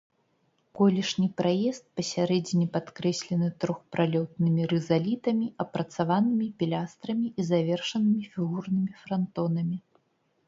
Колішні праезд пасярэдзіне падкрэслены трохпралётнымі рызалітамі, апрацаванымі пілястрамі і завершанымі фігурнымі франтонамі.